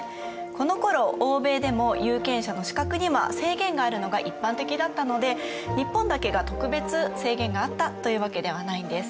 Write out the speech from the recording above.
このころ欧米でも有権者の資格には制限があるのが一般的だったので日本だけが特別制限があったというわけではないんです。